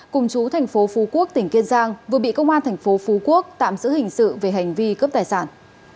cùng chú tp phú quốc tỉnh kiên giang vừa bị công an tp phú quốc tạm giữ hình sự về hành vi cướp tài sản